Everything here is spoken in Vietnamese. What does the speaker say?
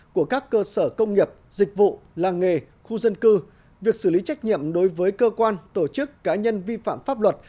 của các cơ sở công nghiệp dịch vụ làng nghề khu dân cư việc xử lý trách nhiệm đối với cơ quan tổ chức cá nhân vi phạm pháp luật